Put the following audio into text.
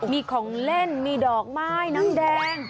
มีของเล่นมีดอกไม้น้ำแดง